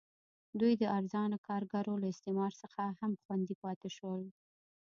دوی د ارزانه کارګرو له استثمار څخه هم خوندي پاتې شول.